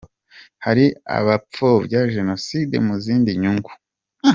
Hari abapfobya Jenoside mu zindi nyungu.